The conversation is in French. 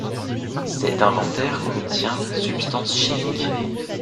Cet inventaire contient substances chimiques.